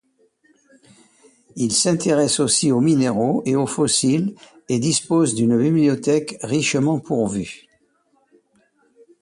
Il s’intéresse aussi aux minéraux et aux fossiles et dispose d'une bibliothèque richement pourvue.